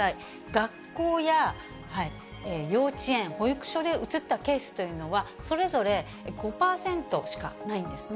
学校や幼稚園、保育所でうつったケースというのは、それぞれ５％しかないんですね。